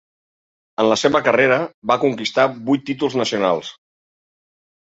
En la seva carrera va conquistar vuit títols nacionals.